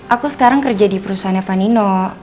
aku sekarang kerja di perusahaannya panino